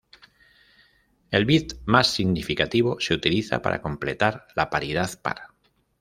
El bit más significativo se utiliza para completar la paridad par.